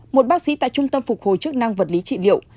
một bác sĩ tại trung tâm phục hồi chức năng vật lý trị liệu